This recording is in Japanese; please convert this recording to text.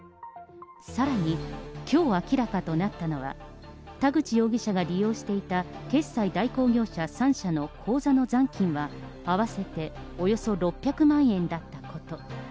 さらに、きょう明らかとなったのは、田口容疑者が利用していた決済代行業者３社の口座の残金は、合わせておよそ６００万円だったこと。